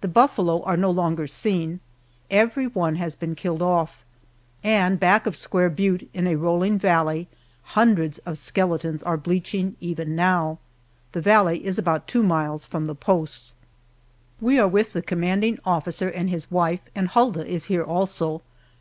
The buffalo are no longer seen; every one has been killed off, and back of Square Butte in a rolling valley, hundreds of skeletons are bleaching even now. The valley is about two miles from the post. We are with the commanding officer and his wife, and Hulda is here also.